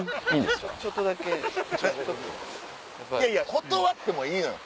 断ってもいいのよ！